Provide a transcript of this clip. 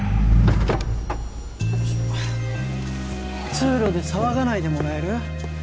通路で騒がないでもらえる？